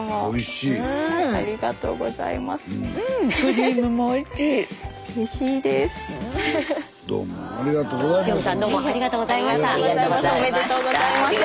塩見さんどうもありがとうございました。